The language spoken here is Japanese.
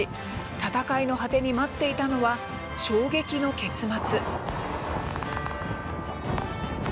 戦いの果てに待っていたのは衝撃の結末。